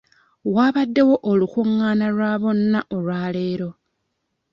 Wabaddewo olukungaana lwa bonna olwaleero.